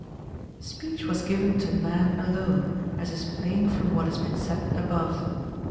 ] Si'EKCH was oiven to man alone, as is plain from Origin of what has been said above.